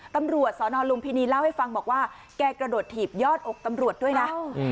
ตำรวจสนลุมพินีเล่าให้ฟังบอกว่าแกกระโดดถีบยอดอกตำรวจด้วยนะ